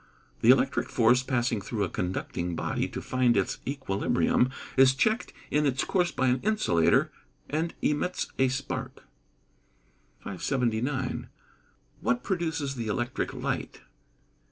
_ The electric force, passing through a conducting body to find its equilibrium, is checked in its course by an insulator, and emits a spark. 579. _What produces the electric light?